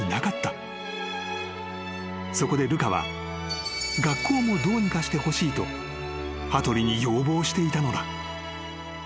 ［そこでルカは学校もどうにかしてほしいと羽鳥に要望していたのだ］